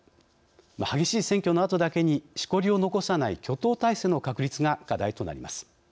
激しい選挙のあとだけにしこりを残さない挙党体制の確立が課題となります。